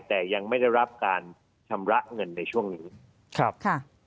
แต่ยังไม่ได้รับการชำระเงินในช่วงนี้ครับค่ะ